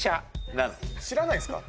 知らないんですか？